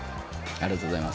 ありがとうございます。